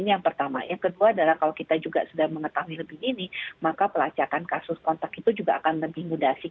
yang kedua adalah kalau kita sudah mengetahui lebih dini maka pelacakan kasus kontak itu juga akan lebih mudah